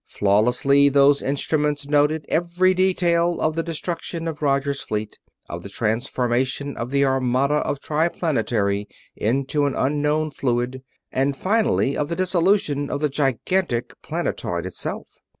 Flawlessly those instruments noted every detail of the destruction of Roger's fleet, of the transformation of the armada of Triplanetary into an unknown fluid, and finally of the dissolution of the gigantic planetoid itself.